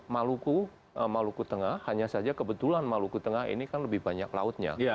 maluku maluku tengah hanya saja kebetulan maluku tengah ini kan lebih banyak lautnya